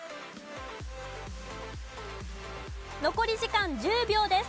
残り時間１０秒です。